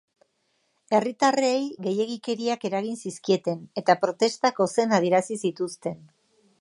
Herritarrei gehiegikeriak eragin zizkieten, eta protestak ozen adierazi zituzten.